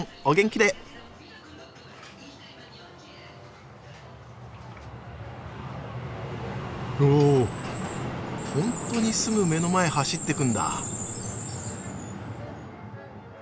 おぉほんとにすぐ目の前走ってくんだ。